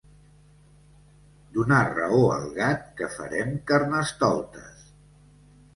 Donar raó al gat, que farem Carnestoltes.